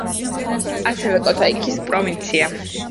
ასევე კოტაიქის პროვინცია.